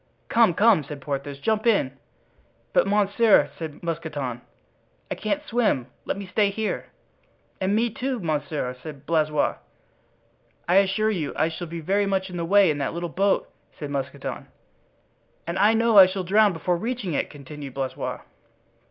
"Come, come!" said Porthos; "jump in." "But, monsieur," said Mousqueton, "I can't swim; let me stay here." "And me, too, monsieur," said Blaisois. "I assure you, I shall be very much in the way in that little boat," said Mousqueton. "And I know I shall drown before reaching it," continued Blaisois.